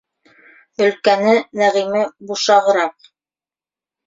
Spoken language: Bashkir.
Өлкәне, Нәғиме, бушағыраҡ.